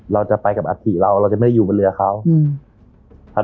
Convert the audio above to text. เราจะไปกับอัฐิเราเราจะไม่ได้อยู่บนเรือเขาอืมครับ